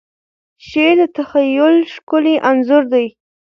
شعر د تخیل ښکلی انځور دی.